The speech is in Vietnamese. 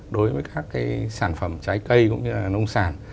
đối với các cái sản phẩm trái cây cũng như là nông sản